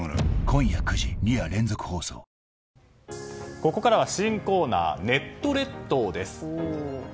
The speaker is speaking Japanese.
ここからは新コーナーネット列島です。